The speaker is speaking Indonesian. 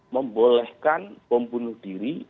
membolehkan pembunuh diri